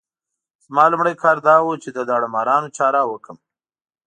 زما لومړی کار دا وو چې د داړه مارانو چاره وکړم.